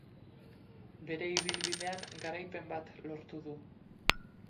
Bere ibilbidean garaipen bat lortu du.